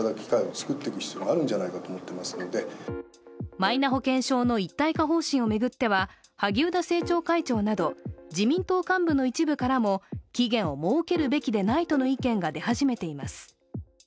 マイナ保険証の一体化方針を巡っては萩生田政調会長など自民党幹部の一部からも期限を設けるべきでないとの意見が出始めています。